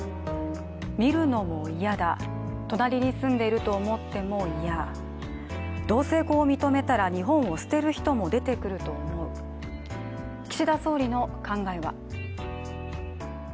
見るのも嫌だ、隣に住んでいると思っても嫌、同性婚を認めたら日本を捨てる人も出てくると思う、岸田総理の考えは。